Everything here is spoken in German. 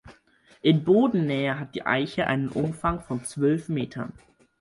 In Bodennähe hat die Eiche einen Umfang von zwölf Metern.